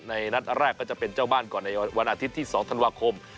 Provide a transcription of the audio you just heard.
นัดแรกก็จะเป็นเจ้าบ้านก่อนในวันอาทิตย์ที่๒ธันวาคม